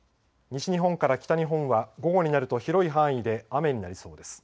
西日本から北日本は午後になると広い範囲で雨になりそうです。